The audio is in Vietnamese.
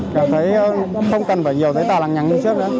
cảm thấy không cần phải nhiều giấy tạo lặng nhắn như trước nữa